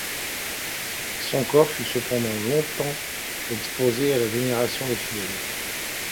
Son corps fut pendant longtemps exposé à la vénération des fidèles.